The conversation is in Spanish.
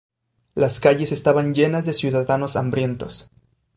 Las calles estaban llenas de ciudadanos hambrientos.